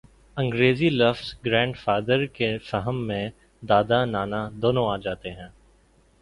انگریزی لفظ grandfather کے فہم میں دادا، نانا دونوں آ جاتے ہیں۔